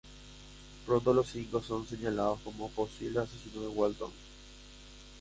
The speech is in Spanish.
Pronto los cinco son señalados como posibles asesinos de Walton.